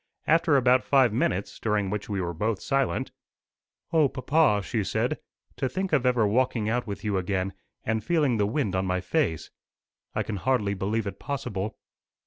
After about five minutes, during which we were both silent, "O papa!" she said, "to think of ever walking out with you again, and feeling the wind on my face! I can hardly believe it possible."